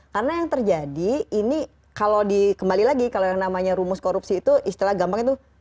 karena yang terjadi ini kalau dikembali lagi kalau yang namanya rumus korupsi itu istilah gampang itu